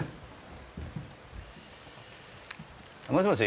もしもし？